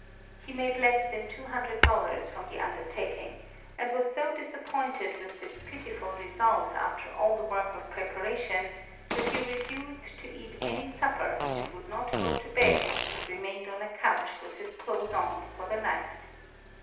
He made less than two hundred dollars from the undertaking, and was so disappointed with this pitiful result after all the work of preparation, that he refused to eat any supper, and would not go to bed, but remained on a couch with his clothes on for the night.